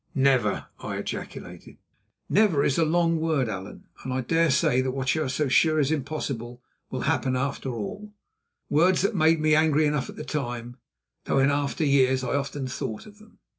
"Never!" I ejaculated. "Never is a long word, Allan, and I dare say that what you are so sure is impossible will happen after all," words that made me angry enough at the time, though in after years I often thought of them.